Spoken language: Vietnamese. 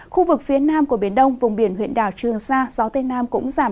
khu vực phía nam của biển đông vùng biển huyện đảo trường sa gió tây nam cũng giảm